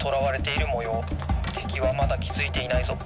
てきはまだきづいていないぞ。